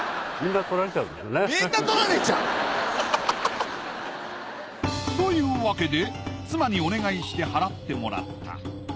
みんな取られちゃう？というわけで妻にお願いして払ってもらった。